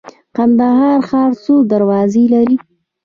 کندهار ښار څو دروازې لري؟